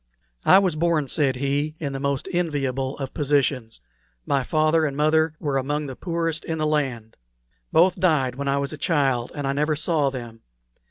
"I was born," said he, "in the most enviable of positions. My father and mother were among the poorest in the land. Both died when I was a child, and I never saw them.